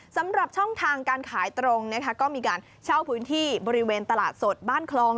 สำหรับช่องทางการขายตรงนะคะก็มีการเช่าพื้นที่บริเวณตลาดสดบ้านคลอง